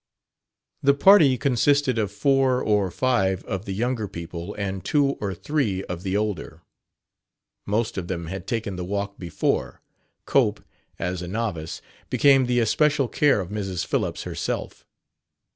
The party consisted of four or five of the younger people and two or three of the older. Most of them had taken the walk before; Cope, as a novice, became the especial care of Mrs. Phillips herself.